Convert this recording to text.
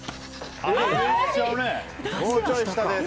もうちょっと下です。